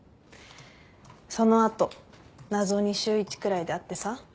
その後謎に週１くらいで会ってさ。